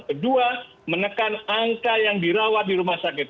kedua menekan angka yang dirawat di rumah sakit